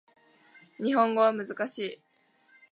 日本語は難しい